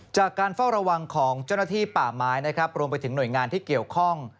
จากการเฝ้าระวังของเจ้าหน้าที่ป่าไม้นะครับรวมไปถึงหน่วยงานที่เกี่ยวข้อง